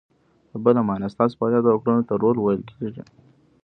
په بله مانا، ستاسو فعالیت او کړنو ته رول ویل کیږي.